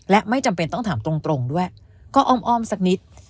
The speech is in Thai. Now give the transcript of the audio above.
และไม่จำเป็นต้องถามตรงด้วยก็อ้อมสักนิด